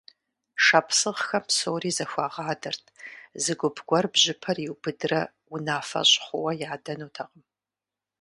Шапсыгъхэм псори зэхуагъадэрт: зы гуп гуэр бжьыпэр иубыдрэ унафэщӀ хъууэ ядэнутэкъым.